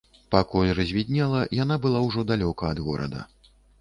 Пакуль развіднела, яна была ўжо далёка ад горада.